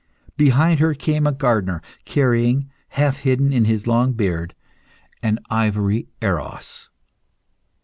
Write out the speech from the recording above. Behind her came a gardener, carrying, half hidden in his long beard, an ivory Eros.